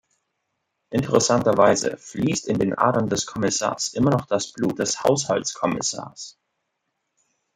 Interessanterweise fließt in den Adern des Kommissars immer noch das Blut des Haushaltskommissars.